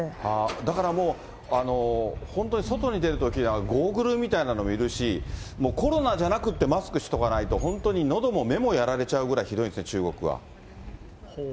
だからもう、本当に外に出るときはゴーグルみたいなのもいるし、コロナじゃなくてマスクしとかないと、本当にのども目もやられちゃうぐらいひどいですね、中国は。